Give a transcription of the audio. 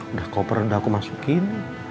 udah koper udah aku masukin